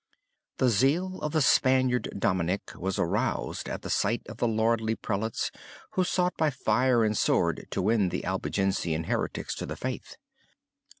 The zeal of the Spaniard Dominic was aroused at the sight of the lordly prelates who sought by fire and sword to win the Albigensian heretics to the faith.